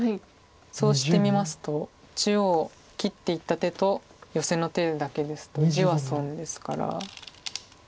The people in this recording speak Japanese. そうして見ますと中央切っていった手とヨセの手だけですと地は損ですから。